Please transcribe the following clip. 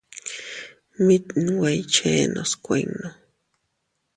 Mit nwe iychennos kuinno.